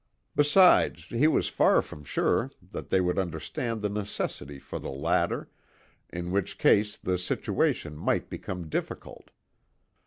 Besides, he was far from sure that they would understand the necessity for the latter, in which case the situation might become difficult.